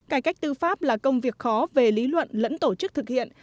cải cách tư pháp là công việc khó về lý luận lẫn tổ chức thực hiện